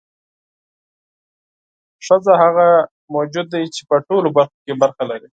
ښځه هغه موجود دی چې په ټولو برخو کې برخه لري.